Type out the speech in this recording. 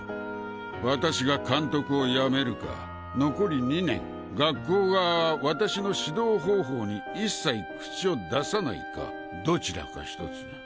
私が監督を辞めるか残り２年学校側は私の指導方法に一切口を出さないかどちらかひとつ。